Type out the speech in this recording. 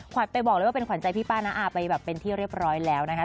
ไปบอกเลยว่าเป็นขวัญใจพี่ป้าน้าอาไปแบบเป็นที่เรียบร้อยแล้วนะคะ